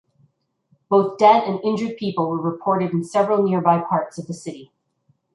Both dead and injured people were reported in several nearby parts of the city.